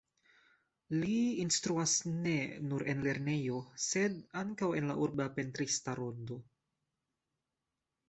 Li instruas ne nur en lernejo, sed ankaŭ en la urba pentrista rondo.